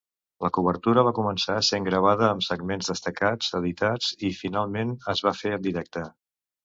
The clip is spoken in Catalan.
La cobertura va començar sent gravada amb segments destacats editats i, finalment, es va fer en directe.